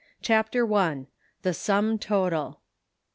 CHAPTER I. THE SUM TOTAL.